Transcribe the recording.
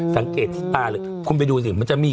สังเกตที่ตาเลยคุณไปดูสิมันจะมี